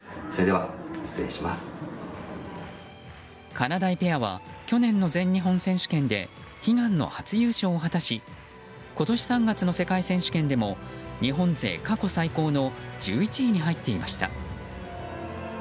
かなだいペアは去年の全日本選手権で悲願の初優勝を果たし今年３月の世界選手権でも日本勢過去最高の１１位に入っていました。